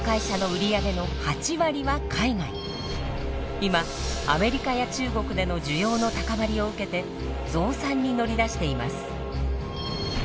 今アメリカや中国での需要の高まりを受けて増産に乗り出しています。